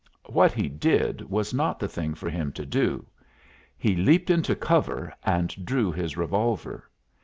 What he did was not the thing for him to do. He leaped into cover and drew his revolver.